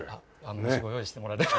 もしご用意してもらえれば。